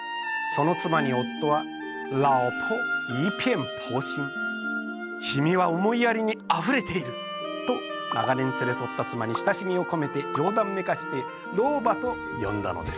その妻に夫は「きみは思いやりにあふれている」と長年連れ添った妻に親しみを込めて冗談めかして「老婆」と呼んだのです。